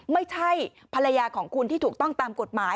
ไม่ใช่ภรรยาของคุณที่ถูกต้องตามกฎหมาย